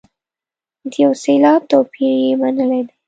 د یو سېلاب توپیر یې منلی دی.